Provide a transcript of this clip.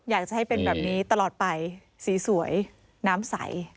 อยากจะให้เป็นแบบนี้ตลอดไปสีสวยน้ำใส